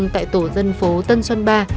tại tổ dân phố tân xuân ba